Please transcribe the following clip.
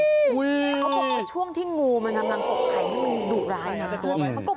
เขาก็บอกเมื่อกี้ช่วงที่งูมันน่ากกกไข่มันดุรายมาก